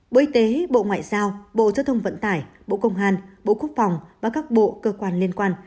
bộ y tế bộ ngoại giao bộ giao thông vận tải bộ công an bộ quốc phòng và các bộ cơ quan liên quan